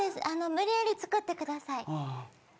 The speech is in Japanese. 無理矢理作ってください。